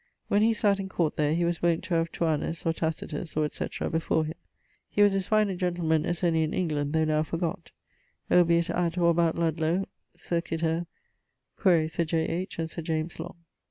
When he sat in court there, he was wont to have Thuanus, or Tacitus, or etc. before him. He was as fine a gentleman as any in England, though now forgott. Obiit, at or about Ludlowe, circiter ... (quaere Sir J. H. and Sir James Long).